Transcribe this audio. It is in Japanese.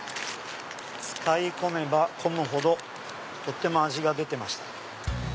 使い込めば込むほどとっても味が出てました。